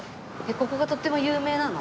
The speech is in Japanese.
ここがとっても有名なの？